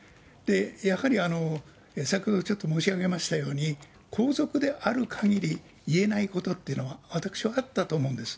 やはり先ほどちょっと申し上げましたように、皇族であるかぎり言えないことっていうのは、私はあったと思うんです。